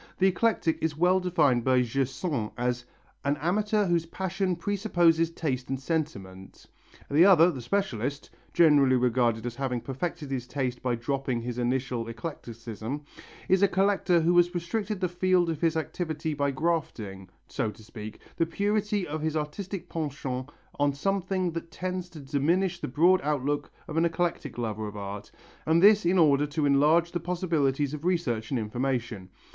The eclectic is well defined by Gersaint as "an amateur whose passion presupposes taste and sentiment"; the other, the specialist generally regarded as having perfected his taste by dropping his initial eclecticism is a collector who has restricted the field of his activity by grafting, so to speak, the purity of his artistic penchant on something that tends to diminish the broad outlook of an eclectic lover of art, and this in order to enlarge the possibilities of research and information.